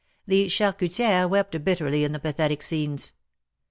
The Charcutiere wept bitterly in the pathetic scenes.